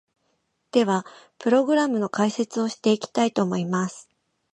では、プログラムの解説をしていきたいと思います！